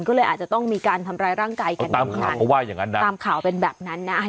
ก็เลยอาจจะต้องมีการทำรายร่างกายกันอย่างนั้นตามข่าวเพราะว่าอย่างนั้นนะ